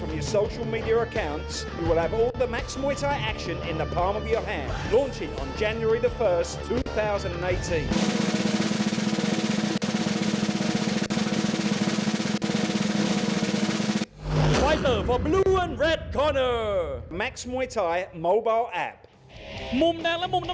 มุมแดงและมุมน้ำเงินครับรับเป็นอะไร